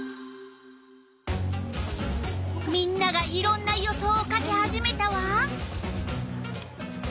みんながいろんな予想を書き始めたわ。